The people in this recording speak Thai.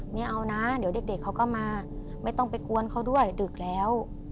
ไม่เอานะเดี๋ยวเด็กเขาก็มาไม่ต้องไปกวนเขาด้วยดึกแล้ว